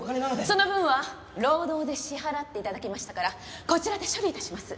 その分は労働で支払って頂きましたからこちらで処理致します。